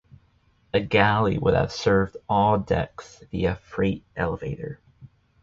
A galley would have served all decks via freight elevator.